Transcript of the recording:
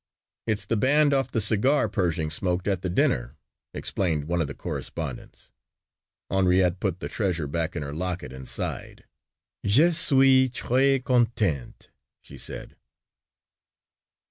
"It's the band off the cigar Pershing smoked at the dinner," explained one of the correspondents. Henriette put the treasure back in her locket and sighed. "Je suis très contente," she said.